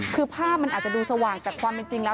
คือภาพมันอาจจะดูสว่างแต่ความจริงแล้ว